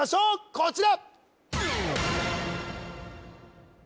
こちら